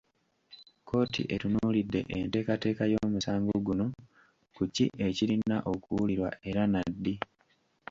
Kkooti etunuulidde enteekateeka y’omusango guno ku ki ekirina okuwulirwa era na ddi.